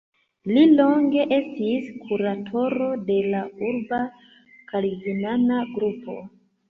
Li longe estis kuratoro de la urba kalvinana grupo.